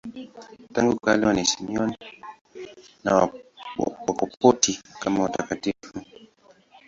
Tangu kale wanaheshimiwa na Wakopti kama watakatifu.